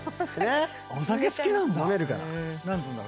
お酒好きなんだ。